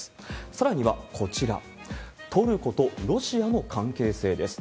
さらにはこちら、トルコとロシアの関係性です。